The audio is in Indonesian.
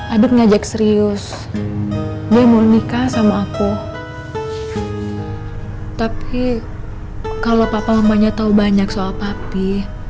adik ngajek serius dia mau nikah sama aku tapi kalau papa lamanya tahu banyak soal papi